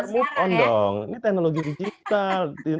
move on dong ini teknologi digital